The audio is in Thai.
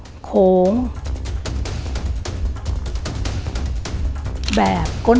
ประหลักสำคัญที่เราดูจริงก็คือเราจะดูเป็นลักษณะของเส้นหยุดเส้นแยกจุดอย่างนี้ค่ะ